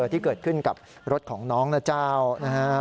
ที่เกิดขึ้นกับรถของน้องนะเจ้านะครับ